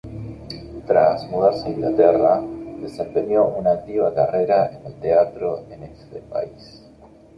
Tras mudarse a Inglaterra, desempeñó una activa carrera en el teatro en ese país.